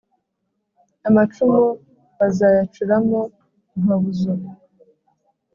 amacumu bazayacuramo impabuzo